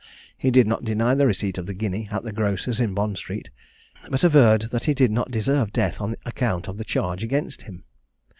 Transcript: He did not deny the receipt of the guinea at the grocer's in Bond Street; but averred that he did not deserve death on account of the charge against him.